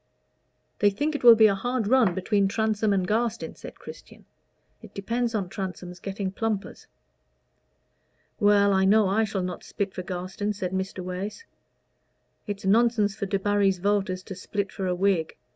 "They think it will be a hard run between Transome and Garstin," said Christian. "It depends on Transome's getting plumpers." "Well, I know I shall not split for Garstin," said Mr. Wace. "It's nonsense for Debarry's voters to split for a Whig.